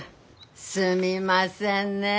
すみませんね